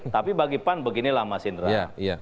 tapi bagi pan beginilah mas indra